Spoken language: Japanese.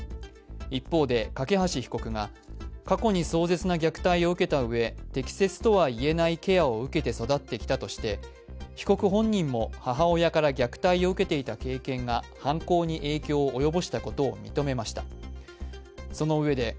一方で、梯被告が過去に壮絶な虐待を受けたうえ、適切とはいえないケアを受けずに育ってきたとして被告本人も母親から虐待を受けていた経験が犯行に影響を及ぼしたことを認めました。